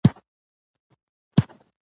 ښامار لکه غونډی غونډی کېږي راغی.